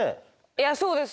いやそうです